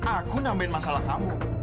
aku nambahin masalah kamu